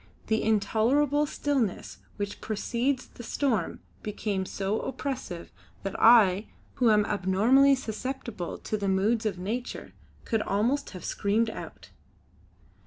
The intolerable stillness which precedes the storm became so oppressive that I, who am abnormally susceptible to the moods of nature, could almost have screamed out.